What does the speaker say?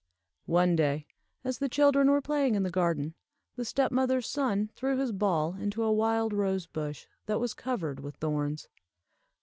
One day, as the children were playing in the garden, the step mother's son threw his ball into a wild rosebush that was covered with thorns.